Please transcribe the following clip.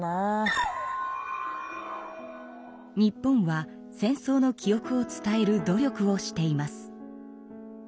日本は戦争の記憶を伝える努力をしています。